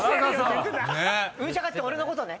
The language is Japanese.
ウーチャカって俺のことね。